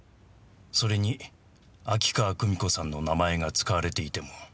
それに秋川久美子さんの名前が使われていても。